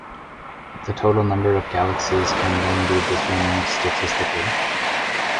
The total number of galaxies can then be determined statistically.